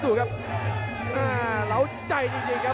ดูนะครับอ่าเหลาใจจ้ง